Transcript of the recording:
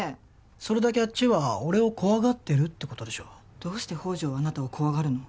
それだけあっちは俺を怖がってるってことでしょどうして宝条はあなたを怖がるの？